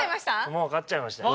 もう分かっちゃいました。